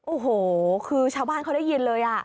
โอ้โหคือชาวบ้านเขาได้ยินเลย